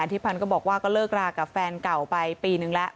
ทิพันธ์ก็บอกว่าก็เลิกรากับแฟนเก่าไปปีนึงแล้ว